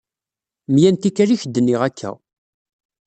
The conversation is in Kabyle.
Mya n tikwal i k-d-nniɣ akka.